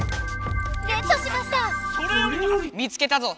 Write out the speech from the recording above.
見つけたぞ！